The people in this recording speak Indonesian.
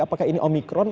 apakah ini omikron